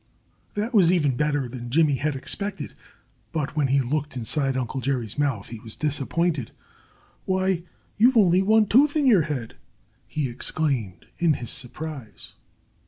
That was even better than Jimmy had expected. But when he looked inside Uncle Jerry's mouth he was disappointed. "Why, you've only one tooth in your head!" he exclaimed in his surprise.